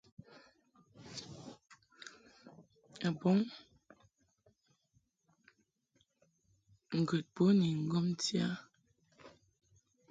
A bə ŋgəd bo ni ŋgomti a ɛ ?